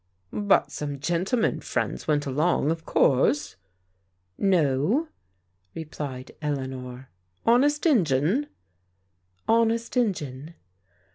But some gentlemen friends went along, of course? "" No," replied Eleanor. "Honest Injun?" Honest Injun."